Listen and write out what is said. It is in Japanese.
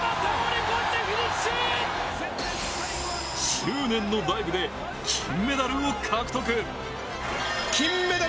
執念のダイブ金メダルを獲得。